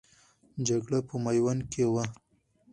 جګړه په میوند کې وه.